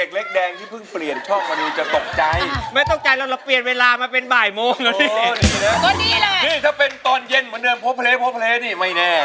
นี่ถ้าเป็นตอนเย็นเหมือนเรื่องพบเพลย์นี่ไม่แน่